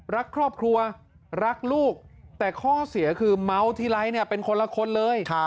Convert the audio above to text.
รักครอบครัวรักลูกแต่ข้อเสียคือเมาทีไรเนี่ยเป็นคนละคนเลย